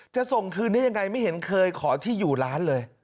จะส่งคืนได้ยังไงไม่เห็นเคยขอที่อยู่ร้านเลย